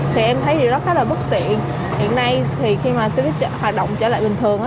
thì em thấy điều rất khá là bất tiện hiện nay thì khi mà xe buýt hoạt động trở lại bình thường